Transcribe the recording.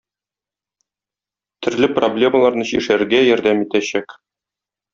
төрле проблемаларны чишәргә ярдәм итәчәк.